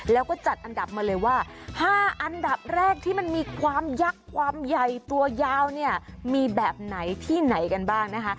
แล้วก็จัดอันดับมาเลยว่า๕อันดับแรกที่มันมีความยักษ์ความใหญ่ตัวยาวเนี่ยมีแบบไหนที่ไหนกันบ้างนะคะ